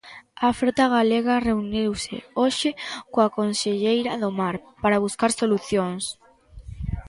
A frota galega reuniuse hoxe coa conselleira do Mar para buscar solucións.